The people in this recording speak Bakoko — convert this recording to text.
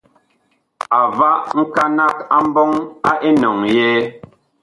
A va nkanag a mbɔŋ a enɔŋ yɛɛ.